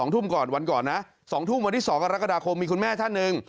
๒ทุ่มวันที่๒กรกฎาคมมีคุณแม่ท่านหนึ่ง